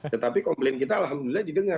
tetapi komplain kita alhamdulillah didengar